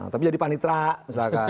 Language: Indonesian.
tapi jadi panitra misalkan